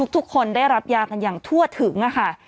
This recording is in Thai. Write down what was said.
ทุกคนได้รับยากันอย่างทั่วถึงค่ะ